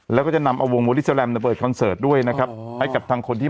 แล้วก็จะนำวงเมอร์ดิสเตอร์แรมเปิดคอนเซิร์ตด้วยนะครับ